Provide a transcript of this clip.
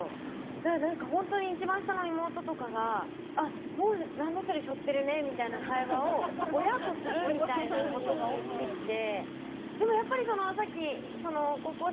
だから本当に一番下の妹とかがもうランドセル背負ってるねみたいな会話を親とするみたいなことが起きてきて。